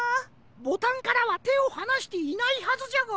ボタンからはてをはなしていないはずじゃが。